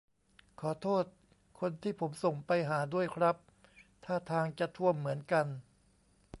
ขอโทษคนที่ผมส่งไปหาด้วยครับ ท่าทางจะท่วมเหมือนกัน